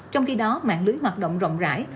trong khi đó mạng lưới hoạt động rộng rãi